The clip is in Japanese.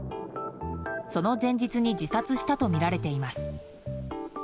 その前日に自殺したとみられています。